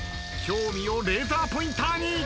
興味をレーザーポインターに。